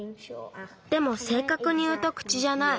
でもせいかくにいうと口じゃない。